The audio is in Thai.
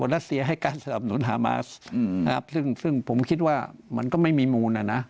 รัสเซียให้การสนับสนุนฮามาสซึ่งผมคิดว่ามันก็ไม่มีมูลนะนะ